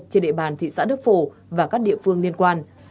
trên địa bàn thị xã đức phổ và các địa phương liên quan